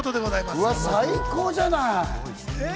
最高じゃない。